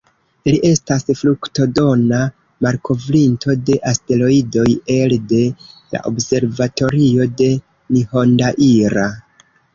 Li estas fruktodona malkovrinto de asteroidoj elde la observatorio de Nihondaira.